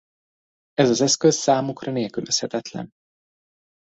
Ez az eszköz számukra nélkülözhetetlen.